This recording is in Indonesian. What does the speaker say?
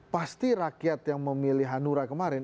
pasti rakyat yang memilih hanura kemarin